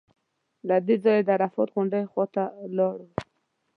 له دې ځایه د عرفات غونډۍ خوا ته لاړو.